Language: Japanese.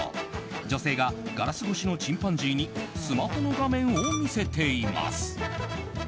女性がガラス越しのチンパンジーにスマホの画面を見せています。